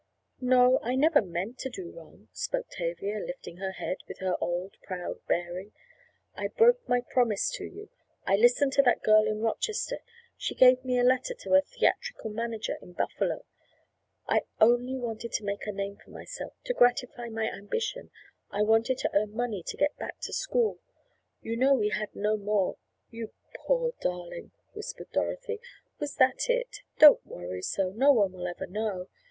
"No, I never meant to do wrong," spoke Tavia, lifting her head with her old, proud bearing. "I broke my promise to you—I listened to that girl in Rochester—she gave me a letter to a theatrical manager in Buffalo. I only wanted to make a name for myself—to gratify my ambition—I wanted to earn money to get back to school—you know we had no more—" "You poor darling!" whispered Dorothy. "Was that it? Don't worry so. No one will ever know.